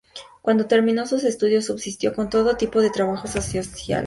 Cuando terminó sus estudios, subsistió con todo tipo de trabajos ocasionales.